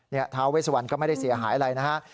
ท้าเวสวันก็ไม่ได้เสียหายอะไรนะฮะ